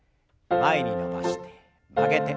前に伸ばして曲げて。